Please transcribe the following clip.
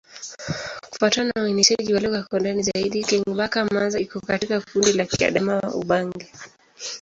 Kufuatana na uainishaji wa lugha kwa ndani zaidi, Kingbaka-Manza iko katika kundi la Kiadamawa-Ubangi.